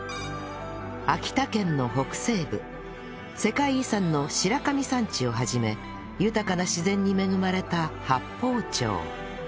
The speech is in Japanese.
秋田県の北西部世界遺産の白神山地を始め豊かな自然に恵まれた八峰町